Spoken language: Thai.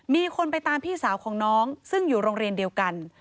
มีคนไปตามพี่สาวของน้องซึ่งอยู่โรงเรียนเดียวกัน